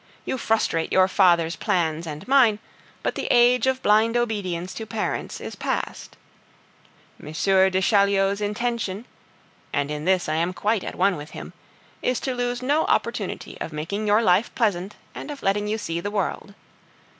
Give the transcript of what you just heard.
You frustrate your father's plans and mine; but the age of blind obedience to parents is past. M. de Chaulieu's intention, and in this I am quite at one with him, is to lose no opportunity of making your life pleasant and of letting you see the world.